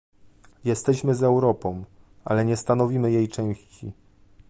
Jesteśmy z Europą, ale nie stanowimy jej części